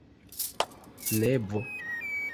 nevo